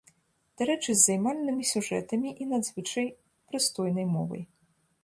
Дарэчы, з займальнымі сюжэтамі і надзвычай прыстойнай мовай.